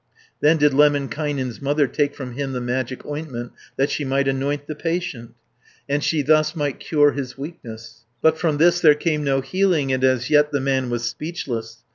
Then did Lemminkainen's mother, Take from him the magic ointment, That she might anoint the patient, And she thus might cure his weakness, But from this there came no healing, And as yet the man was speechless.